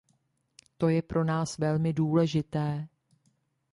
To je pro nás velmi důležité.